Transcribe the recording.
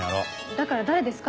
だから誰ですか？